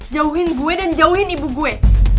jauhin gue dan jauhin ibu gue